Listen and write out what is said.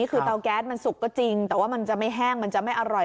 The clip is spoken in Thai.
คือเตาแก๊สมันสุกก็จริงแต่ว่ามันจะไม่แห้งมันจะไม่อร่อย